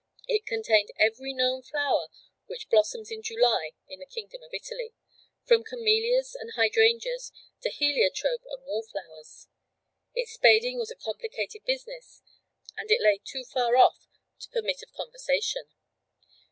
It contained every known flower which blossoms in July in the kingdom of Italy, from camellias and hydrangeas to heliotrope and wall flowers. Its spading was a complicated business and it lay too far off to permit of conversation.